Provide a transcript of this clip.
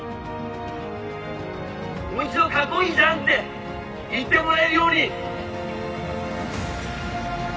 もう１度かっこいいじゃんって言ってもらえるように。